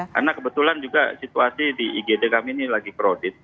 karena kebetulan juga situasi di igd kami ini lagi krodit